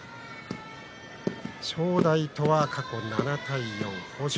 正代とは過去７対４豊昇